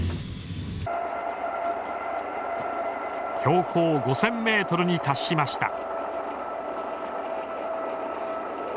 標高５，０００ｍに達しました。